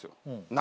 何？